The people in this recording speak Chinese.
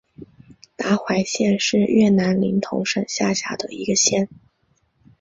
达怀县是越南林同省下辖的一个县。